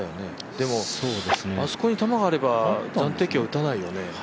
でもあそこに球があれば暫定球は打たないよね。